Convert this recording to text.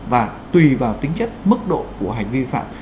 và tùy vào tính chất mức độ của hành vi phạm